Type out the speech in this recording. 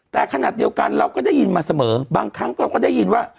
แต่ขณะเดียวกันเราก็ได้ยินมาเสมอบางครั้งเราก็ได้ยินว่า